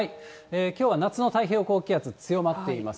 きょうは夏の太平洋高気圧、強まっています。